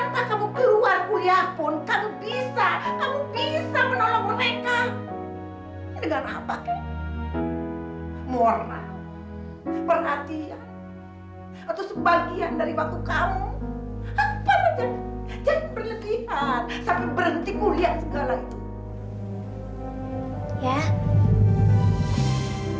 tanpa kamu keluar kuliah pun